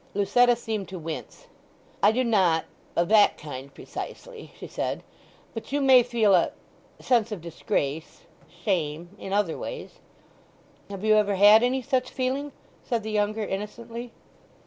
Lucetta seemed to wince. "I do not—of that kind precisely," she said, "but you may feel a—sense of disgrace—shame—in other ways." "Have you ever had any such feeling?" said the younger innocently.